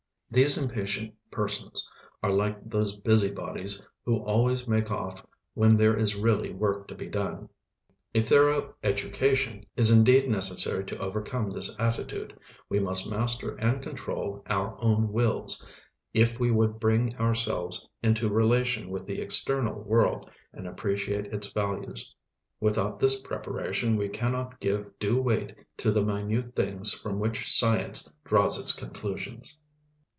These impatient persons are like those busybodies who always make off when there is really work to be done. A thorough education is indeed necessary to overcome this attitude; we must master and control our own wills, if we would bring ourselves into relation with the external world and appreciate its values. Without this preparation we cannot give due weight to the minute things from which science draws its conclusions.